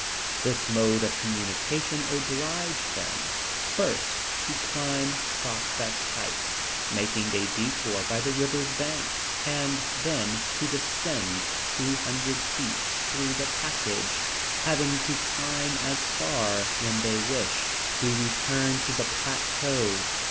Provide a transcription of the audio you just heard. This mode of communication obliged them first to climb Prospect Heights, making a detour by the river's bank, and then to descend two hundred feet through the passage, having to climb as far when they wished to return to the plateau.